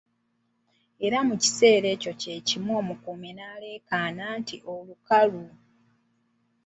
Era mu kiseera ky'ekimu ekyo omukuumi n'aleekaana nti Olukalu!